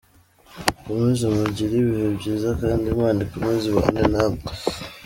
Mukomeze mugire ibihe byiza kandi Imana ikomeze ibane namwe.